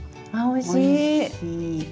おいしい。